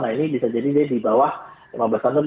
nah ini bisa jadi dia di bawah lima belas tahun